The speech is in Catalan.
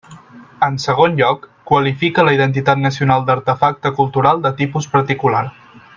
En segon lloc, qualifica la identitat nacional d'artefacte «cultural de tipus particular».